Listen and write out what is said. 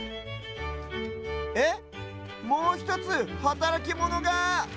えっもうひとつはたらきモノが！